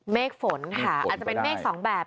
เมฆฝนค่ะอาจจะเป็นเมฆสองแบบ